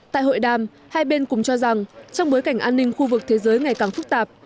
tại hội đàm hai bên cùng cho rằng trong bối cảnh an ninh khu vực thế giới ngày càng phức tạp